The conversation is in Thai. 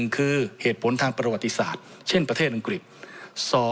๑คือเหตุผลทางประวัติศาสตร์เช่นประเทศอังกฤษ